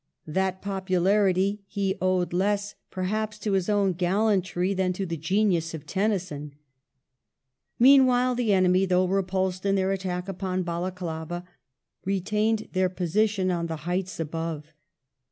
That populai'ity he owed less perhaps to his own gallantry than to the genius of Tennyson. Meanwhile, the enemy, though repulsed in their attack upon Balaclava, retained their position on the heights above.